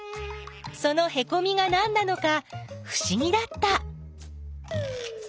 そのへこみがなんなのかふしぎだった。